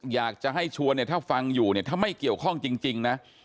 อยากจะให้ชวนเนี่ยถ้าฟังอยู่เนี่ยถ้าไม่เกี่ยวข้องจริงนะ